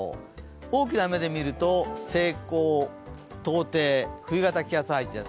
大きな目で見ると西高東低、冬型気圧配置です。